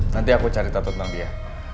nanti aku cari tata tentang dia